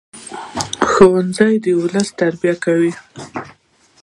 ښوونځی د ولس تربیه کوي